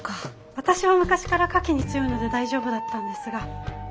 私は昔からカキに強いので大丈夫だったんですがあとは全員。